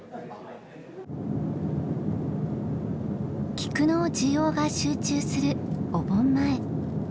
キクの需要が集中するお盆前。